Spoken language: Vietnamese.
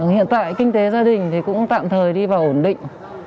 hiện tại kinh tế gia đình cũng tạm thời đi vào ổn định